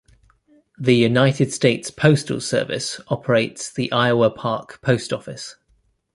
The United States Postal Service operates the Iowa Park Post Office.